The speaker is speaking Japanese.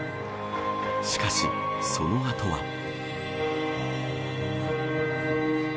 しかし、その後は。